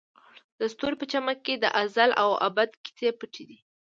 د ستوري په چمک کې د ازل او ابد کیسې پټې دي.